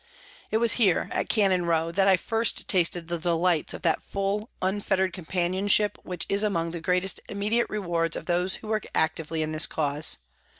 It was here, at Cannon Row, that I first tasted the delights of that full, unfetterd companionship which is among the greatest immediate rewards of those who work actively in this cause.